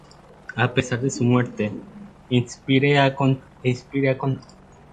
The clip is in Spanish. A pesar de su muerte, "Inspire" ha continuado publicándose periódicamente.